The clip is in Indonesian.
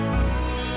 waspada kenapa sih